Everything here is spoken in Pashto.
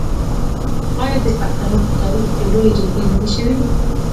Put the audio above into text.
آیا د پښتنو په تاریخ کې لویې جرګې نه دي شوي؟